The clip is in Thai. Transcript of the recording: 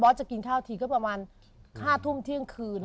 จะกินข้าวทีก็ประมาณ๕ทุ่มเที่ยงคืน